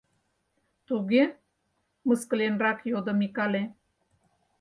Туге? — мыскыленрак йодо Микале.